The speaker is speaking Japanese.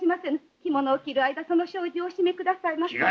着物を着る間その障子をお閉めくださいませ。